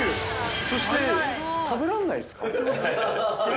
そして食べらんないんすか？